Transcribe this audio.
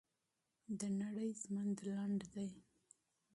د دنیا ژوند لنډ دی.